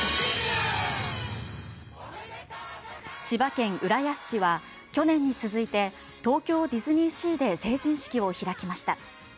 千葉県浦安市は去年に続いて東京ディズニーシーで成人式を開きました。